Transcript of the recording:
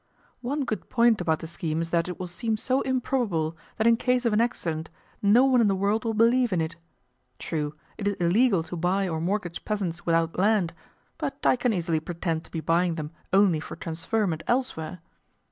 One good point about the scheme is that it will seem so improbable that in case of an accident, no one in the world will believe in it. True, it is illegal to buy or mortgage peasants without land, but I can easily pretend to be buying them only for transferment elsewhere.